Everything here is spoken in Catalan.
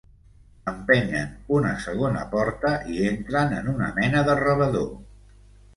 Empenyen una segona porta i entren en una mena de rebedor.